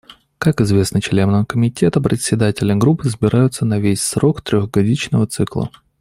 Как известно членам Комитета, председатели групп избираются на весь срок трехгодичного цикла.